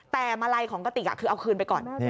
แต่มาลัยของกติกคือเอาคืนไปก่อน